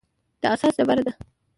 د اساس ډبره ده.